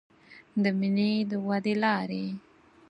د مینې د ودې لارې